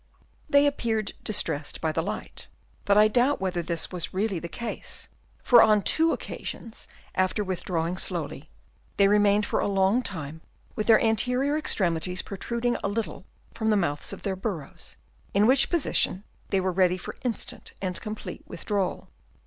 They appeared distressed by the light ; but I doubt whether this was really the case, for on two occasions after withdrawing slowly, they remained for a long time with their anterior extremities protruding a little from the mouths of their burrows, in which position they were ready for instant and complete withdrawal.